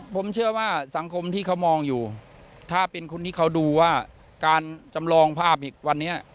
ผมเชื่อว่าสังคมที่เขามองอยู่ถ้าเป็นคนที่เขาดูว่าการจำลองภาพอีกวันนี้